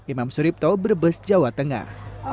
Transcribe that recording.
imam suripto brebes jawa tengah